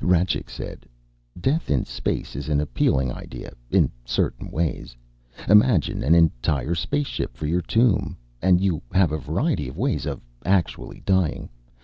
Rajcik said, "Death in space is an appealing idea, in certain ways. Imagine an entire spaceship for your tomb! And you have a variety of ways of actually dying.